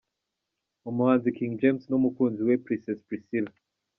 Umuhanzi King James n’umukunzi we Princess Priscillah.